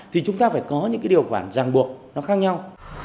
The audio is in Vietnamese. thì chúng ta phải có những điều quản ràng buộc nó khác nhau